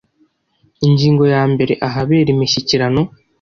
Ingingo yambere Ahabera imishyikirano